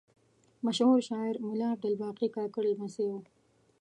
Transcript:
مشهور شاعر ملا عبدالباقي کاکړ لمسی و.